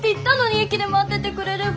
駅で待っててくれれば。